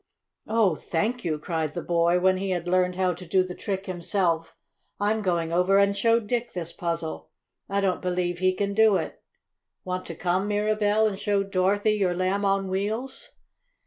"Oh, thank you!" cried the boy, when he had learned how to do the trick himself. "I'm going over and show Dick this puzzle. I don't believe he can do it. Want to come, Mirabell, and show Dorothy your Lamb on Wheels?"